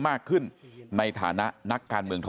ทำให้สัมภาษณ์อะไรต่างนานาไปออกรายการเยอะแยะไปหมด